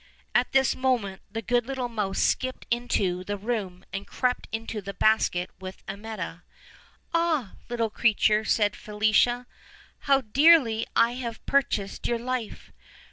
At this moment the good little mouse skipped into the room, and crept into the basket with Amietta. "Ah! little creature," said Felicia, "how dearly have I pur chased your life!